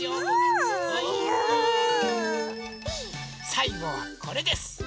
さいごはこれです。